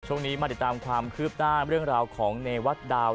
ช่วงนี้มาติดตามความคืบหน้าเรื่องราวของเนวัดดาว